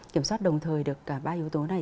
kiểm soát đồng thời được cả ba yếu tố này